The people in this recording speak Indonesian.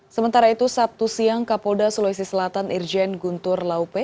sementara itu sabtu siang kapolda sulawesi selatan irjen guntur laupe